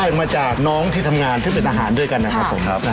ได้มาจากน้องที่ทำงานที่เป็นอาหารด้วยกันนะครับ